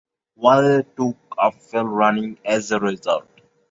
Whalley took up fell running as a result.